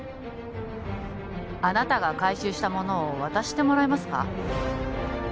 あなたが回収したものを渡してもらえますか？